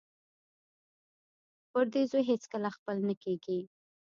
پردی زوی هېڅکله خپل نه کیږي